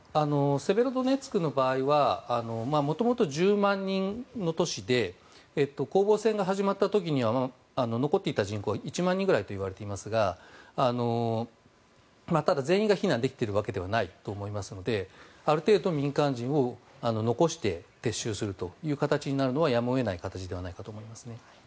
セベロドネツクの場合は元々、１０万人の都市で攻防戦が始まった時には残っていた住民は１万人ぐらいといわれていますがただ、全員が避難できているわけではないと思いますのである程度、民間人を残して撤収するという形になるのはやむを得ない形ではないかと思いますね。